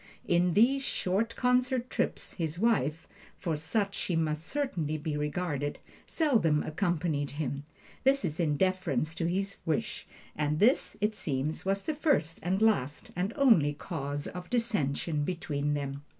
On these short concert trips his wife (for such she must certainly be regarded) seldom accompanied him this in deference to his wish, and this, it seems, was the first and last and only cause of dissension between them.